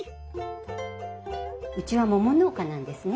うちは桃農家なんですね。